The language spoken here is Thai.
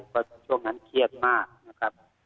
เพราะช่วงนั้นเครียดมากนะครับ